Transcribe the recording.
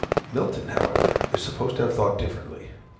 Milton, however, is supposed to have thought differently.